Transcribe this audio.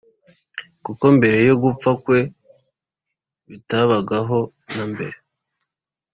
kuko mbere yo gupfa kwe bitabagaho na mbere.